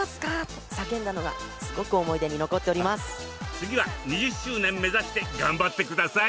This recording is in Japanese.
次は２０周年目指して頑張ってください。